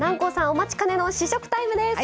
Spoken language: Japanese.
お待ちかねの試食タイムです！